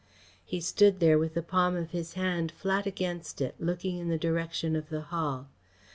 He stood there with the palm of his hand flat against it, looking in the direction of the Hall.